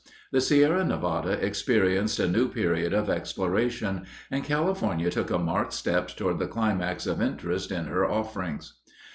The Sierra Nevada experienced a new period of exploration, and California took a marked step toward the climax of interest in her offerings.